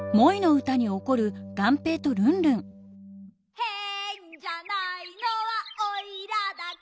「へんじゃないのはおいらだけ」